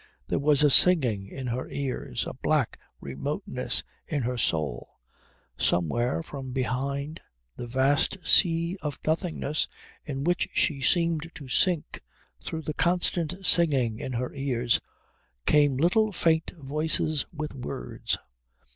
There was a singing in her ears, a black remoteness in her soul. Somewhere from behind the vast sea of nothingness in which she seemed to sink, through the constant singing in her ears, came little faint voices with words.